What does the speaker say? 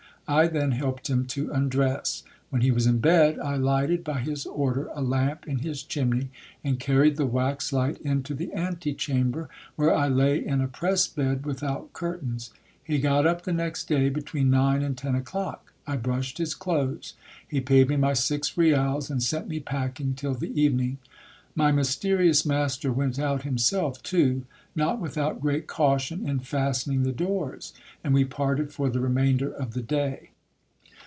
I then helped him to undress. When he was in bed, I lighted, by his order, a lamp in his chimney, and carried the wax light into the antechamber, where I lay in a press bed without curtains. He got up the next day between nine and ten o'clock ; I brushed his clothes. He paid me my six rials, and sent me packing till the evening. My mysterious master went out himself too, not without great caution in fastening the doors, and we parted for the remainder of the day.